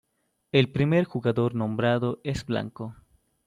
El primer jugador nombrado es blanco.